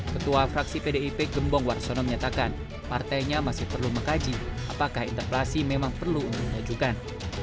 ketua fraksi pdip gembong warsono menyatakan partainya masih perlu mengkaji apakah interpelasi memang perlu untuk diajukan